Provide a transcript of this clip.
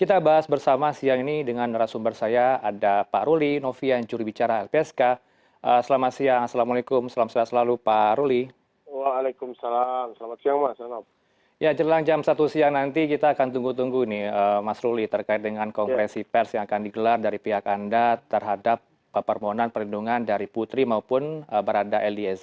apa saja yang dibahas pada pagi ini dalam rapat mahkamah pimpinan di sana